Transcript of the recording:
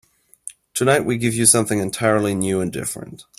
Tonight we give you something entirely new and different.